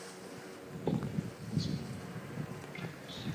佩托拉扎格里马尼。